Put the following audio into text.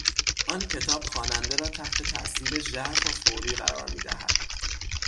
آن کتاب خواننده را تحت تاءثیر ژرف و فوری قرار میدهد.